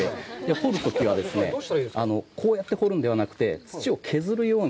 掘るときはですね、こうやって掘るんではなくて、土を削るように。